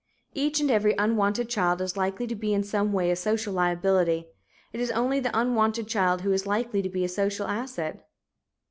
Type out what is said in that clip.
Each and every unwanted child is likely to be in some way a social liability. It is only the wanted child who is likely to be a social asset.